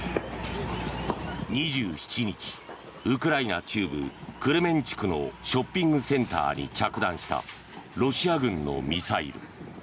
２７日、ウクライナ中部クレメンチュクのショッピングセンターに着弾したロシア軍のミサイル。